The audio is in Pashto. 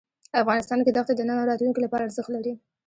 افغانستان کې دښتې د نن او راتلونکي لپاره ارزښت لري.